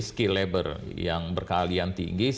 skill labor yang berkealian tinggi